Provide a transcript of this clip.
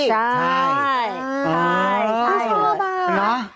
ใช่